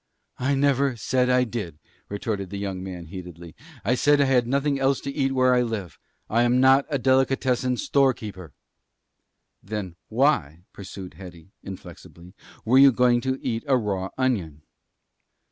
"I never said I did," retorted the young man, heatedly. "I said I had nothing else to eat where I live. I am not a delicatessen store keeper." "Then why," pursued Hetty, inflexibly, "were you going to eat a raw onion?"